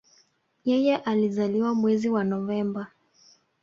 Yeye alizaliwa mwezi wa Novemba